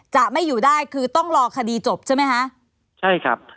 จะไม่อยู่ได้คือต้องรอคดีจบใช่ไหมคะใช่ครับ